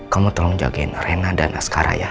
kamu tolong jagain rena dan askara ya